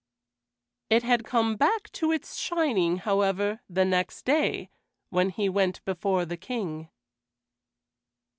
It had come back to its shining, however, the next day, when he went before the King.